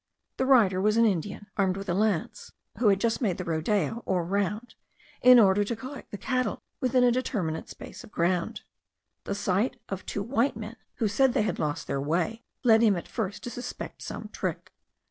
The rider was an Indian, armed with a lance, who had just made the rodeo, or round, in order to collect the cattle within a determinate space of ground. The sight of two white men, who said they had lost their way, led him at first to suspect some trick.